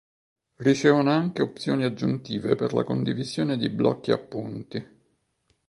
Ricevono anche opzioni aggiuntive per la condivisione di blocchi appunti.